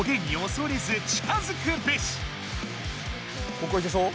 ここいけそう？